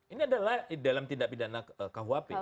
ini adalah dalam tidak pidana kwp